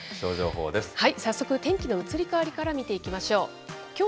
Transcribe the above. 早速、天気の移り変わりから見ていきましょう。